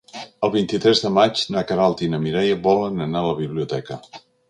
El vint-i-tres de maig na Queralt i na Mireia volen anar a la biblioteca.